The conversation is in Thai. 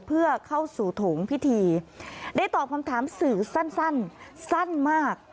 เพื่อเข้าสู่โถงพิธีได้ตอบคำถามสื่อสั้นสั้นมาก